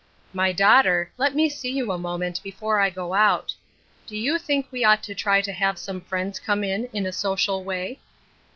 *'My daughter, let me see you a moment be fore I go out. Do you think we ought to try to have some friends come in, in a social way